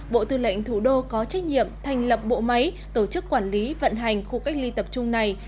bộ tư lệnh thủ đô có trách nhiệm thành lập bộ máy tổ chức quản lý vận hành khu cách ly tập trung này